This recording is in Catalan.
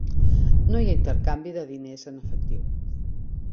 No hi ha intercanvi de diners en efectiu.